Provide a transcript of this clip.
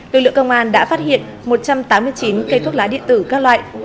lực lượng công an đã phát hiện một trăm tám mươi chín cây thuốc lá điện tử các loại